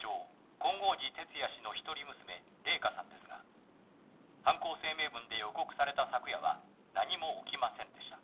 金剛寺徹也氏の一人娘麗華さんですが犯行声明文で予告された昨夜は何も起きませんでした。